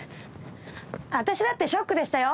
私だってショックでしたよ。